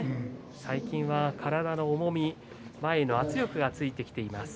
最近は体の重み、前への圧力がついてきています